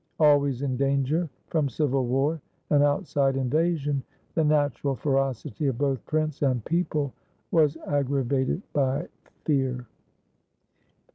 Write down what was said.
Al ways in danger from civil war and outside invasion, the natural ferocity of both prince and people was aggra vated by fear.